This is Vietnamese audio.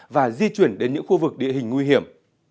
và di chuyển đến những khu vực địa hình nguy hiểm